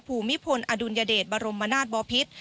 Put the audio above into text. ภูมิพลอดุลยเดชบรมนาศบอพิษ